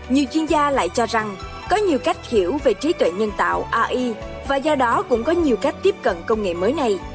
nhiều chuyên gia lại cho rằng có nhiều cách hiểu về trí tuệ nhân tạo ai và do đó cũng có nhiều cách tiếp cận công nghệ mới này